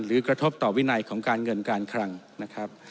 กระทบต่อวินัยของการเงินการคลังนะครับ